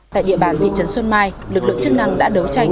tại địa bàn thị trấn xuân mai lực lượng chức năng đã đấu tranh